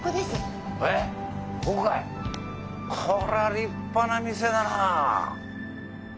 こりゃ立派な店だなあ。